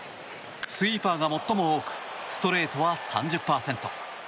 スイーパーが最も多くストレートは３０％。